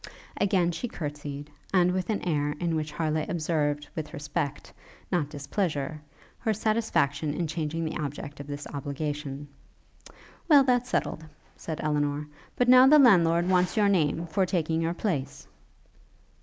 Again she courtsied, and with an air in which Harleigh observed, with respect, not displeasure, her satisfaction in changing the object of this obligation. 'Well, that's settled,' said Elinor; 'but now the landlord wants your name, for taking your place.'